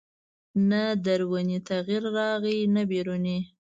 نه دروني تغییر راغی نه بیروني